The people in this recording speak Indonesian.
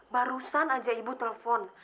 barusan aja ibu telepon